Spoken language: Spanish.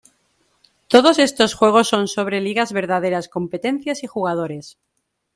Todos estos juegos son sobre ligas verdaderas, competencias y jugadores.